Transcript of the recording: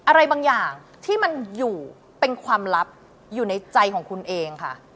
อะไรบางอย่างที่มันอยู่เป็นความลับอยู่ในใจของคุณเองค่ะ